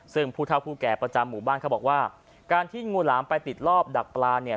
ซึ่งผู้เท่าผู้แก่ประจำหมู่บ้านเขาบอกว่าการที่งูหลามไปติดรอบดักปลาเนี่ย